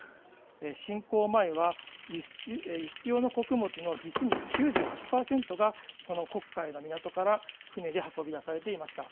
侵攻前は、輸出用の穀物の実に９８％が、この黒海の港から船で運び出されていました。